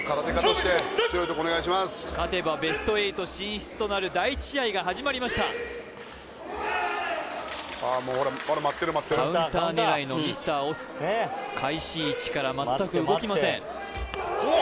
勝てばベスト８進出となる第１試合が始まりましたカウンター狙いのミスター押忍開始位置から全く動きません止め！